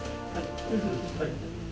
はい。